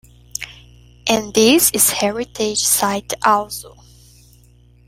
And this is heritage site also.